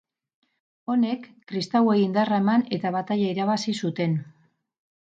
Honek kristauei indarra eman eta bataila irabazi zuten.